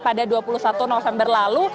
pada dua puluh satu november lalu